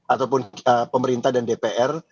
ataupun pemerintah dan dpr